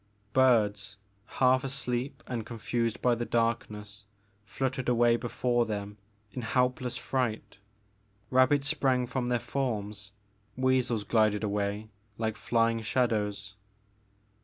Birds, half asleep and confused by the darkness fluttered away before them in helpless fright, rabbits sprang from their forms, weasels glided away 76 The Maker of Moons. like flying shadows.